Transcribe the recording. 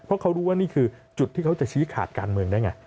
เพราะเขารู้ว่านี่คือจุดที่เขาจะชี้ขาดการเมืองได้ไง